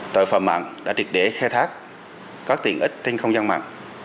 tội phạm mạng đã được để khai thác có tiện ích trên không gian mạng